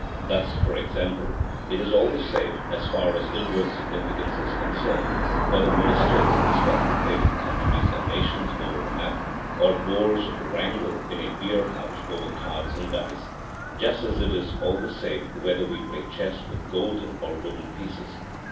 Thus, for example, it is all the same, as far as inward significance is concerned, whether ministers discuss the fate of countries and nations over a map, or boors wrangle in a beer house over cards and dice, just as it is all the same whether we play chess with golden or wooden pieces.